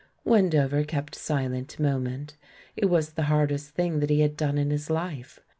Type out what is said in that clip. Wendover kept silent a moment — it was the hardest thing that he had done in his hfe.